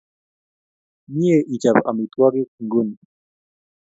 Mye ichop amitwogik inguni